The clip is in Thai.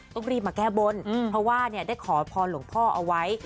ต้องรีบมาแก้บนเพราะว่าได้ขอพรหลวงพ่อเอาไว้